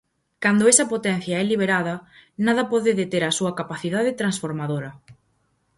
Cando esa potencia é liberada, nada pode deter a súa capacidade transformadora.